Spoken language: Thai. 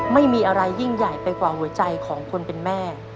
ไม่มีอะไรยิ่งใหญ่ไปกว่าหัวใจของคนเป็นแม่